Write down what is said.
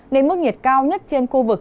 nên mức nhiệt cao nhất trên khu vực